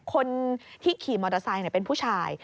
คนที่ขี่มอเตอร์ไซค์เป็นผู้ชาย